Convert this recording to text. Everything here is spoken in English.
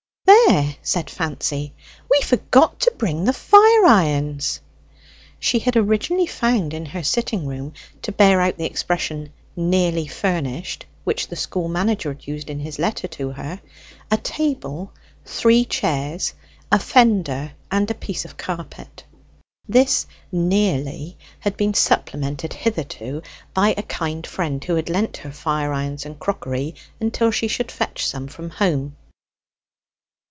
"There!" said Fancy, "we forgot to bring the fire irons!" She had originally found in her sitting room, to bear out the expression 'nearly furnished' which the school manager had used in his letter to her, a table, three chairs, a fender, and a piece of carpet. This 'nearly' had been supplemented hitherto by a kind friend, who had lent her fire irons and crockery until she should fetch some from home.